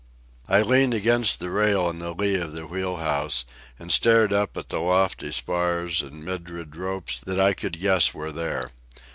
I leaned against the rail in the lee of the wheel house, and stared up at the lofty spars and myriad ropes that I could guess were there.